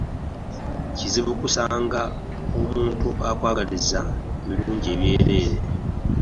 Kizibu okusanga omuntu akwagaliza ebirungi ebyereere.